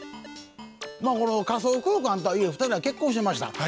まあこの仮想空間とはいえ２人は結婚してました。